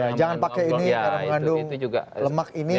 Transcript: ya jangan pakai ini karena mengandung lemak ini